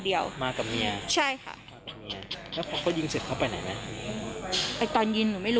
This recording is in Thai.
เดวิทเป็นคนนิสัยดีมาก